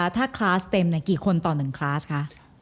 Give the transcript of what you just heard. ถ้าคลาสเต็มกี่คนต่อ๑คลาสคะ